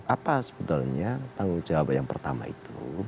apa sebetulnya tanggung jawab yang pertama itu